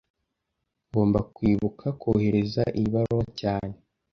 Ngomba kwibuka kohereza iyi baruwa cyane